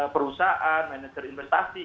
perusahaan manajer investasi